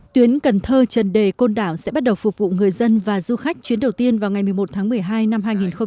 tuyến cần thơ trần đề côn đảo sẽ bắt đầu phục vụ người dân và du khách chuyến đầu tiên vào ngày một mươi một tháng một mươi hai năm hai nghìn hai mươi